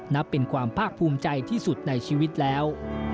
นับเป็นความภาคภูมิใจที่สุดในชีวิตแล้ว